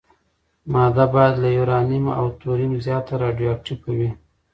ماده باید له یورانیم او توریم زیاته راډیواکټیفه وي.